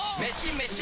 メシ！